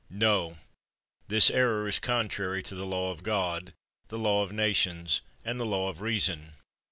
No ; this error is contrary to the law of God, the law of nations, and the law of reason.